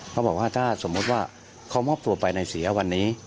เขาบอกว่าถ้าสมมุติว่าเขามอบตัวไปในเสียวันนี้